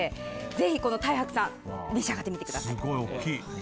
ぜひ太白さんを召し上がってみてください。